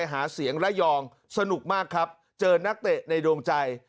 ลายองสนุกมากครับเจอนักเตะในดวงใจ